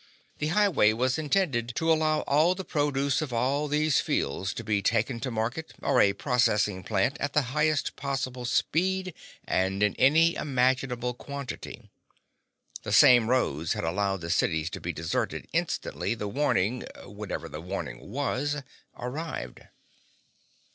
The highway was intended to allow all the produce of all these fields to be taken to market or a processing plant at the highest possible speed and in any imaginable quantity. The same roads had allowed the cities to be deserted instantly the warning—whatever the warning was—arrived.